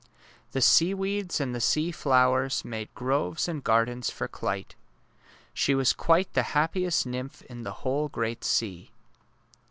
The seaweeds and the sea flowers made groves and gardens for Clyte. She was quite the happiest nymph in the whole great sea.